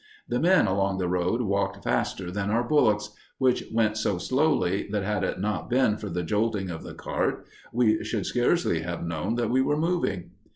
The men along the road walked faster than our bullocks, which went so slowly that, had it not been for the jolting of the cart, we should scarcely have known that we were moving.